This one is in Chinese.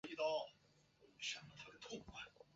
主要产业为服务业。